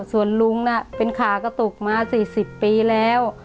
ส่วนลุงน่ะเป็นขากระตุกมา๔๐ปีแล้ว